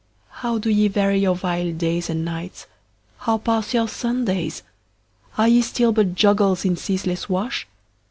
How do ye vary your vile days and nights? How pass your Sundays? Are ye still but joggles In ceaseless wash?